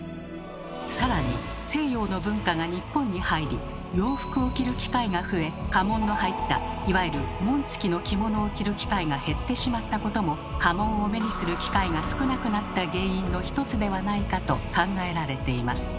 更に西洋の文化が日本に入り洋服を着る機会が増え家紋の入ったいわゆる紋付きの着物を着る機会が減ってしまったことも家紋を目にする機会が少なくなった原因の一つではないかと考えられています。